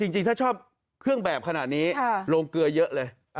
จริงถ้าชอบเครื่องแบบขนาดนี้โรงเกลือเยอะเลย